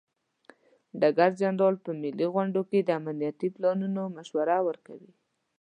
ډګر جنرال په ملي غونډو کې د امنیتي پلانونو مشوره ورکوي.